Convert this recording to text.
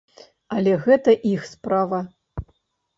Але гэта іх справа.